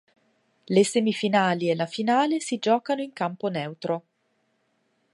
Le semifinali e la finale si giocano in campo neutro.